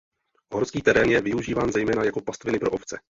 Horský terén je využíván zejména jako pastviny pro ovce.